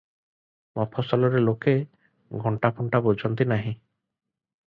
ମଫସଲରେ ଲୋକେ ଘଣ୍ଟା ଫଣ୍ଟା ବୁଝନ୍ତି ନାହିଁ ।